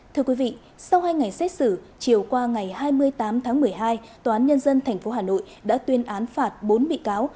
thưa quý vị sau hai ngày xét xử chiều qua ngày hai mươi tám tháng một mươi hai tòa án nhân dân tp hà nội đã tuyên án phạt bốn bị cáo